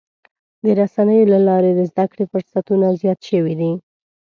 د رسنیو له لارې د زدهکړې فرصتونه زیات شوي دي.